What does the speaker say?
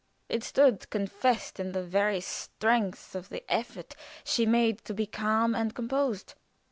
It stood confessed in the very strength of the effort she made to be calm and composed.